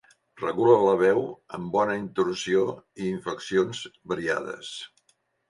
Regula la veu amb bona entonació i inflexions variades.